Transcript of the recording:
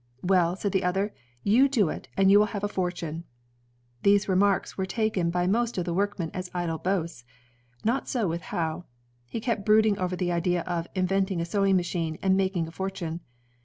"Well," said the other, "you do it, and you will have a fortune." These remarks were taken by most of the workmen as idle boasts. Not so with Howe. He kept brooding over the idea of "inventmg a sewing machine and making a fortune."